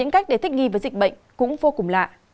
các đề thích nghi với dịch bệnh cũng vô cùng lạ